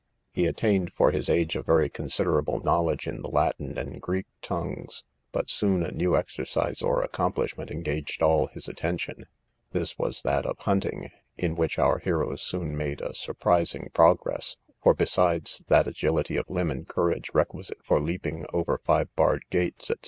He attained, for his age, a very considerable knowledge in the Latin and Greek tongues; but soon a new exercise or accomplishment engaged all his attention; this was that of hunting, in which our hero soon made a surprising progress; for, besides that agility of limb and courage requisite for leaping over five barred gates, &c.